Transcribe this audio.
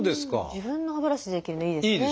自分の歯ブラシでできるのいいですね。